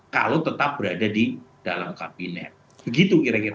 kalau tetap berada di dalam kabinet begitu kira kira